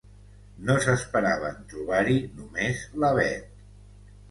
No s'esperaven trobar-hi només la Bet.